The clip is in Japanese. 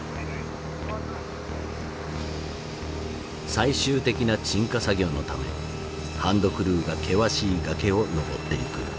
最終的な鎮火作業のためハンドクルーが険しい崖を登っていく。